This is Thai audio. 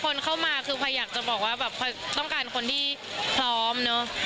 คนเข้ามาคุณอยากจะบอกว่าต้องการคนที่พร้อม